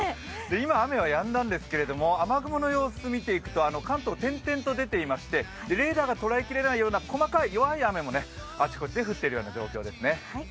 今雨はやんだんですけど、雨雲の様子を見ていくと、関東、点々と出ていまして、レーダーが捉えられない細かい弱い雨も、あちこちで降っているような状況ですね。